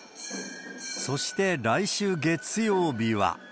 そして来週月曜日は。